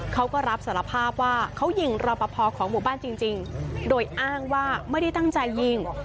เขาก็รับสารภาพว่าเขายิงรอปภของหมู่บ้านจริงโดยอ้างว่าไม่ได้ตั้งใจยิง